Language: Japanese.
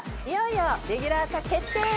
いよいよレギュラー化決定！